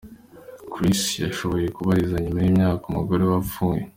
Chris yashoboye kubabarira nyuma y’umwaka umugore we apfuye.